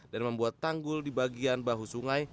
dan membuat tanggul di bagian bahu sungai